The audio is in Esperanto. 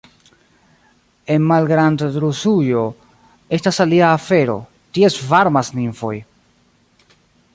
En Malgrandrusujo estas alia afero, tie svarmas nimfoj.